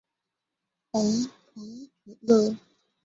庞祖勒。